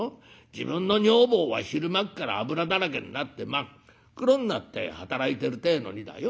自分の女房は昼間っから油だらけになって真っ黒になって働いてるってえのにだよ